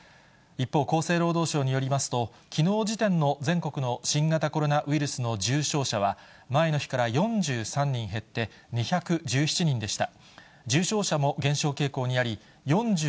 一方、厚生労働省によりますと、きのう時点の全国の新型コロナウイルスの重症者は、前の日から４３人減って２１７人でした。